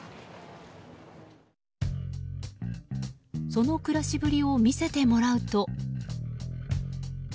その暮らしぶりを見せてもらうと。